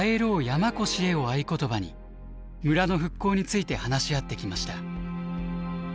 山古志へ」を合言葉に村の復興について話し合ってきました。